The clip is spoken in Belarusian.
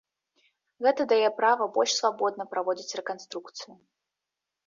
Гэта дае права больш свабодна праводзіць рэканструкцыю.